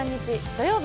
土曜日